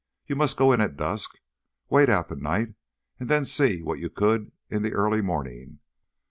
You must go in at dusk, wait out the night, and then see what you could in the early morning.